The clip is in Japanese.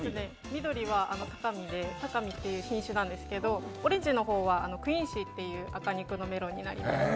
緑はタカミという品種なんですけどオレンジの方はクインシーっていう赤肉のメロンになります。